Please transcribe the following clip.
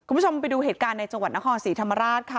คุณผู้ชมไปดูเหตุการณ์ในจังหวัดนครศรีธรรมราชค่ะ